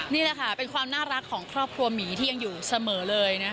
นี่แหละค่ะเป็นความน่ารักของครอบครัวหมีที่ยังอยู่เสมอเลยนะคะ